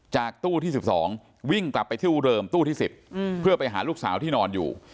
ตู้ที่๑๒วิ่งกลับไปที่ตู้เดิมตู้ที่๑๐เพื่อไปหาลูกสาวที่นอนอยู่